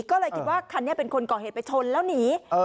ก็เลยคิดว่าคันนี้เป็นคนก่อเหตุไปชนแล้วหนี